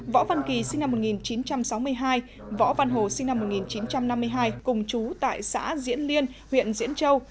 võ văn kỳ sinh năm một nghìn chín trăm sáu mươi hai võ văn hồ sinh năm một nghìn chín trăm năm mươi hai cùng chú tại xã diễn liên huyện diễn châu